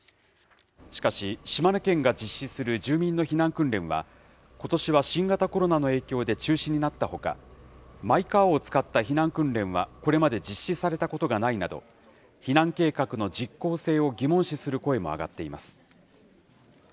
しかし、島根県が実施する住民の避難訓練は、ことしは新型コロナの影響で中止になったほか、マイカーを使った避難訓練はこれまで実施されたことがないなど、避難計画の実効性を疑問視する声も上がっています。